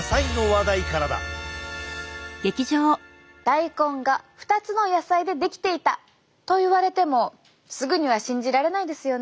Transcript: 大根が２つの野菜で出来ていたといわれてもすぐには信じられないですよね。